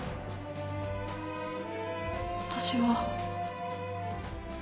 私は。